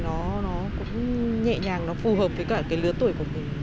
nó cũng nhẹ nhàng nó phù hợp với cả cái lứa tuổi của mình